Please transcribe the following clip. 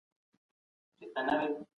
مولي څېړنه سیستماتیکه او سمه پلټنه وګڼله.